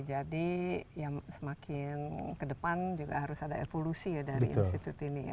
jadi semakin ke depan juga harus ada evolusi dari institut ini